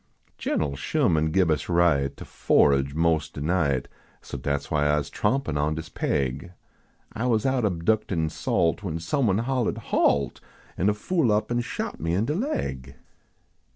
Gen l Sherman gib us right To forage mos" de night, So dat s why Ise trompin on dis paig. I was out abductin salt, When somebody hollahed "halt !" An de fool up an shot me in de laig.